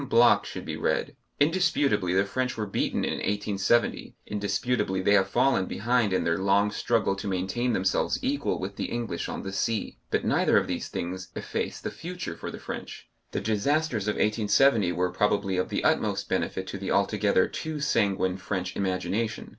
Bloch should be read. Indisputably the French were beaten in 1870, indisputably they have fallen behind in their long struggle to maintain themselves equal with the English on the sea, but neither of these things efface the future of the French. The disasters of 1870 were probably of the utmost benefit to the altogether too sanguine French imagination.